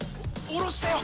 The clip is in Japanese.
下ろしてよ